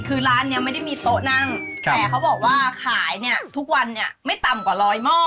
คือร้านนี้ไม่ได้มีโต๊ะนั่งแต่เขาบอกว่าขายเนี่ยทุกวันเนี่ยไม่ต่ำกว่าร้อยหม้อ